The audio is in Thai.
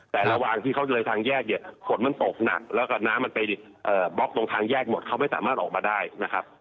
แต่ระหว่างที่เขาเลยทางแยกเนี่ยฝนมันตกหนักแล้วก็น้ำมันไปบล็อกตรงทางแยกหมดเขาไม่สามารถออกมาได้นะครับ